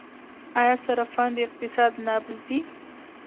آیا صرافان د اقتصاد نبض دي؟